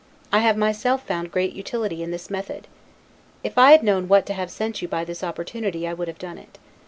I have myself found great utility in this method. If I had known what to have sent you by this opportunity I would have done it.